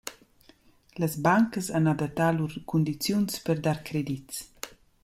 Las bancas han adattà lur cundiziuns per dar credits.